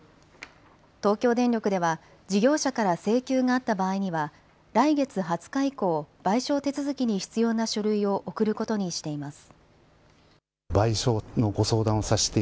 東京電力では事業者から請求があった場合には来月２０日以降、賠償手続きに必要な書類を送ることにしています。